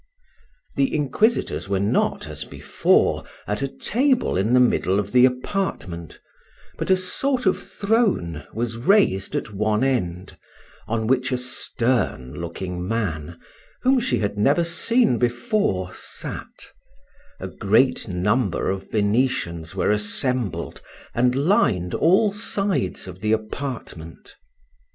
The inquisitors were not, as before, at a table in the middle of the apartment; but a sort of throne was raised at one end, on which a stern looking man, whom she had never seen before, sat: a great number of Venetians were assembled, and lined all sides of the apartment.